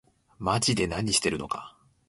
まぢで何してるのか